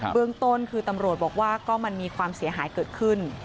เรื่องต้นคือตำรวจบอกว่าก็มันมีความเสียหายเกิดขึ้น